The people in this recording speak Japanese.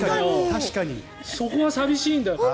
そこは寂しいんだよ。